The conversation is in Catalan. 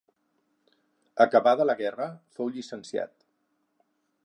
Acabada la guerra, fou llicenciat.